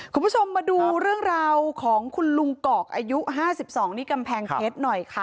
คุณผู้ชมมาดูเรื่องราวของคุณลุงกอกอายุ๕๒ที่กำแพงเพชรหน่อยค่ะ